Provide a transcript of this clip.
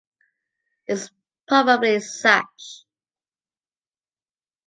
It’s probably Sage.